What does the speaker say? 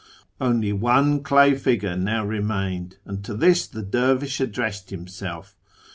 " Only one clay figure now remained, and to this the dervish addressed himself.